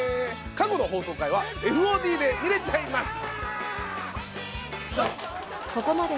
過去の放送回はＦＯＤで見れちゃいます。